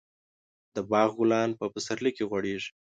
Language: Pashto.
د باغ ګلان په پسرلي کې غوړېږي.